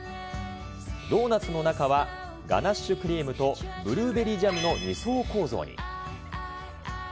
ドーナツの中は、ガナッシュクリームとブルーベリージャムの２層構造に。